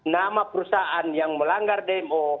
nama perusahaan yang melanggar dmo